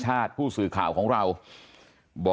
คือผู้ตายคือวู้ไม่ได้ยิน